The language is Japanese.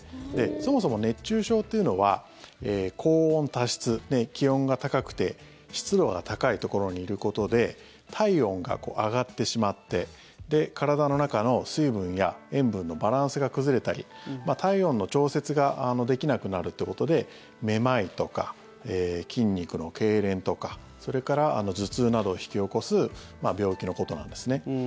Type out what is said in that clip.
そもそも熱中症っていうのは高温多湿気温が高くて湿度が高いところにいることで体温が上がってしまって体の中の水分や塩分のバランスが崩れたり、体温の調節ができなくなるということでめまいとか筋肉のけいれんとかそれから頭痛などを引き起こす病気のことなんですね。